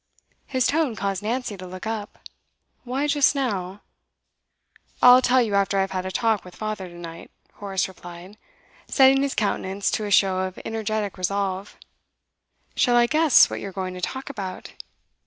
His tone caused Nancy to look up. 'Why just now?' 'I'll tell you after I've had a talk with father to night,' Horace replied, setting his countenance to a show of energetic resolve. 'Shall I guess what you're going to talk about?